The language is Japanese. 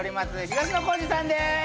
東野幸治さんです